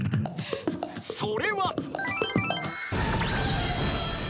［それは］